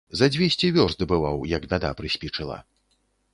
За дзвесце вёрст бываў, як бяда прыспічыла.